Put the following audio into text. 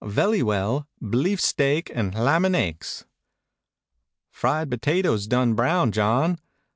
"Vely well. Bleef steak and hlam'neggs." "Fried potatoes done brown, John."